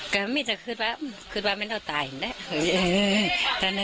ก็มีแต่คืนแป๊บคืนแป๊บไม่ต้องตายเห็นแหละ